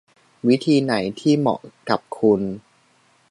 วิธีไหนที่เหมาะกับคุณ